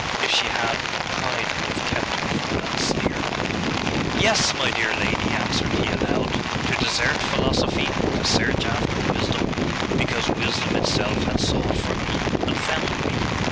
If she had, pride would have kept her from that sneer.' Yes, my dear lady,' answered he aloud, 'to desert philosophy, to search after wisdom; because wisdom itself had sought for me, and found me.